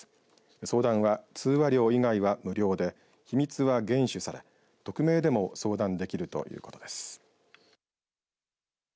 相談は、通話料以外は無料で秘密は厳守され匿名でも相談できるということです。